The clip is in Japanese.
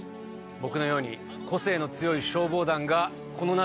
僕のように個性の強い消防団がこの夏を熱くします。